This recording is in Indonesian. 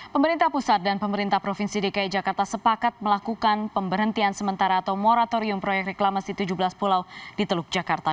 pemerintah pusat dan pemerintah provinsi dki jakarta sepakat melakukan pemberhentian sementara atau moratorium proyek reklamasi tujuh belas pulau di teluk jakarta